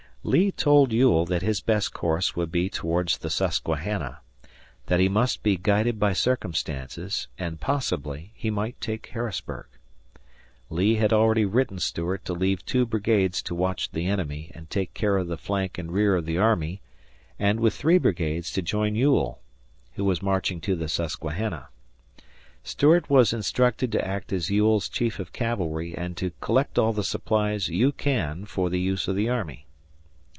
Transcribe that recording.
Lee told Ewell that his best course would be towards the Susquehanna, that he must be guided by circumstances, and, possibly, he might take Harrisburg. Lee had already written Stuart to leave two brigades to watch the enemy and take care of the flank and rear of the army and, with three brigades, to join Ewell, who was marching to the Susquehanna. Stuart was instructed to act as Ewell's Chief of Cavalry and to "collect all the supplies you can for the use of the army."